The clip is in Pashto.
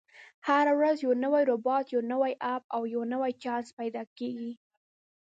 هره ورځ یو نوی روباټ، یو نوی اپ، او یو نوی چانس پیدا کېږي.